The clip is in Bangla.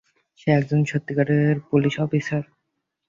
সে একজন সত্যিকারের পুলিশ অফিসার।